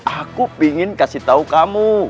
aku ingin kasih tahu kamu